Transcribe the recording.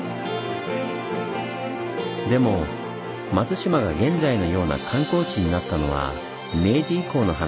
でも松島が現在のような観光地になったのは明治以降の話。